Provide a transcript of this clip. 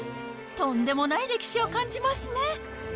とんでもない歴史を感じますね。